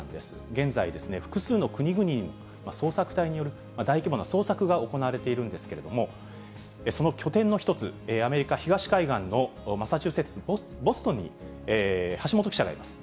現在、複数の国々の捜索隊による大規模な捜索が行われているんですけれども、その拠点の一つ、アメリカ東海岸のマサチューセッツのボストンに、橋本記者がいます。